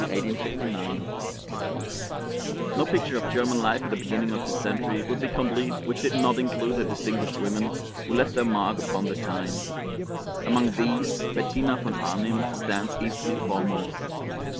ELISABETH BRENTANO (BETTINA VON ARNIM) (1785 1859) No picture of German life at the beginning of this century would be complete which did not include the distinguished women who left their mark upon the time. Among these Bettina von Arnim stands easily foremost.